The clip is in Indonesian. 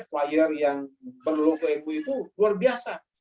flyer yang berlogo mu itu luar biasa